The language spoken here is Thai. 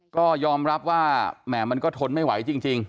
ก็ยอมรับว่าแหม่มันก็ทนไม่ไหวจริง